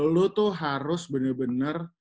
lo tuh harus bener bener